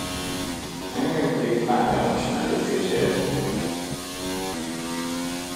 Engem pedig fájdalmas mellőzés ért.